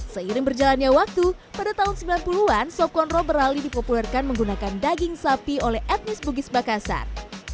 seiring berjalannya waktu pada tahun sembilan puluh an sokonro beralih dipopulerkan menggunakan daging sapi oleh etnis bugis makassar